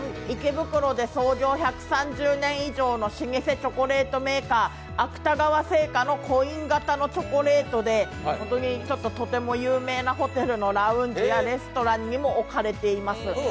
池袋で創業１３０年以上の老舗チョコレートメーカー、芥川製菓のコイン型のチョコレートでとても有名なホテルのラウンジやレストランにも置かれています。